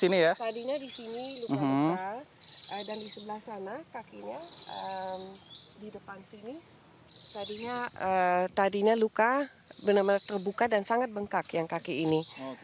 tadinya di sini luka luka dan di sebelah sana kakinya di depan sini tadinya luka benar benar terbuka dan sangat bengkak yang kaki ini